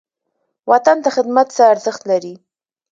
وطن ته خدمت څه ارزښت لري؟